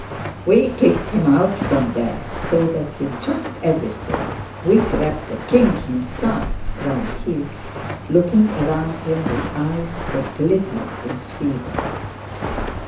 "We kicked him out from there so that he chucked everything, we grabbed the King himself!" cried he, looking around him with eyes that glittered with fever.